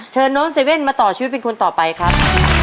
เซเว่นมาต่อชีวิตเป็นคุณต่อไปครับ